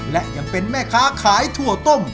และยังเป็นแม่ค้าขายถั่วต้ม